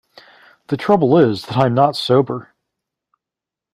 The trouble is that I’m not sober.